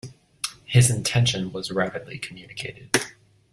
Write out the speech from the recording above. His intention was rapidly communicated.